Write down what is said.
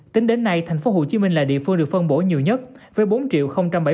tính đến nay thành phố hồ chí minh là địa phương được phân bổ nhiều nhất với bốn bảy mươi năm hai trăm bảy mươi liều